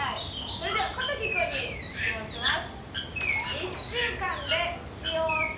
それでは小瀧君に質問します。